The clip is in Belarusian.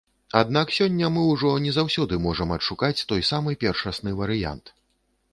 Аднак сёння мы ўжо не заўсёды можам адшукаць той самы першасны варыянт.